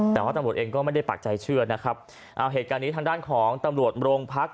แต่ว่าตำรวจเองก็ไม่ได้ปากใจเชื่อนะครับเอาเหตุการณ์นี้ทางด้านของตำรวจโรงพัก